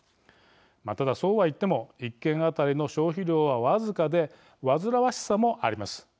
ただ、そうは言っても１軒当たりの消費量は僅かで煩わしさもあります。